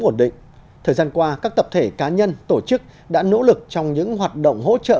ổn định thời gian qua các tập thể cá nhân tổ chức đã nỗ lực trong những hoạt động hỗ trợ